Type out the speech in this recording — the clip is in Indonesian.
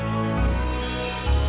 keledian rumah mar sheet